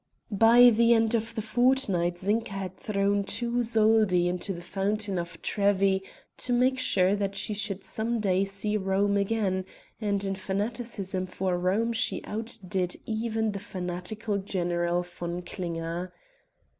By the end of the fortnight Zinka had thrown two soldi into the Fountain of Trevi to make sure that she should some day see Rome again, and in fanaticism for Rome she outdid even the fanatical General von Klinger.